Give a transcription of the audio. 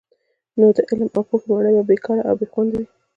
نو د علم او پوهي ماڼۍ به بې کاره او بې خونده وي.